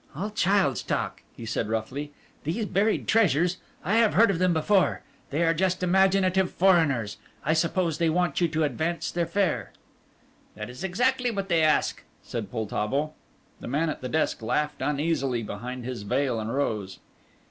"All child's talk," he said roughly, "these buried treasures! I have heard of them before. They are just two imaginative foreigners. I suppose they want you to advance their fare?" "That is exactly what they do ask," said Poltavo. The man at the desk laughed uneasily behind his veil and rose.